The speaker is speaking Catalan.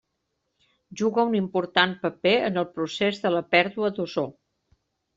Juga un important paper en el procés de la pèrdua d'ozó.